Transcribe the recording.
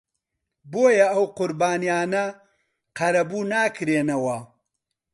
بۆیە ئەو قوربانییانە قەرەبوو ناکرێنەوە